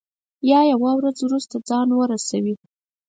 یا یوه ورځ وروسته ځان ورسوي.